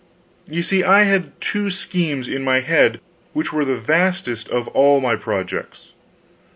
You see, I had two schemes in my head which were the vastest of all my projects.